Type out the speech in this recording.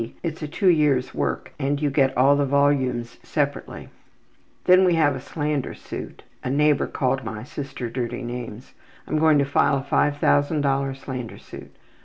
It's a two years work and you get all the volumes separately,'' etc. ``Then we have a slander suit. A neighbor called my sister dirty names. I am going to file a $5000 slander suit.